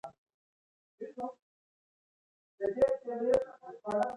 کندارۍ ملالې هله چې بیا ګړز شو